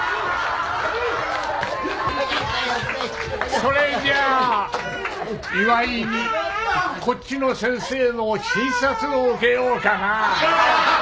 それじゃあ祝いにこっちの先生の診察を受けようかな。